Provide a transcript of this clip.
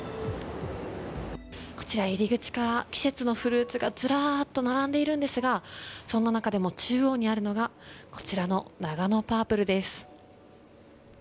こちら、入り口から季節のフルーツがずらっと並んでいるんですがそんな中でも、中央にあるのがこちらのナガノパープルです。